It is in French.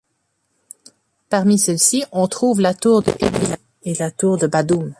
Parmi celles-ci on trouve la Tour de Ebrí et la Tour de Badum.